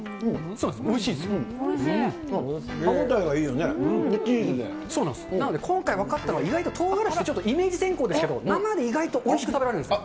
そうなんです、今回分かったんで、意外ととうがらしって、イメージ先行ですけど、生で意外とおいしく食べられるんです。